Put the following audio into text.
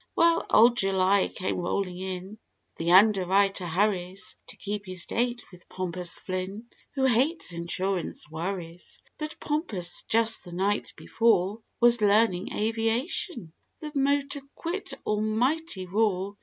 Well old July came rolling in—the underwriter hurries To keep his date with "Pompous" Flynn who hates insurance worries. 147 But "Pompous," just the night before, was learning aviation; The motor quit! Almighty roar!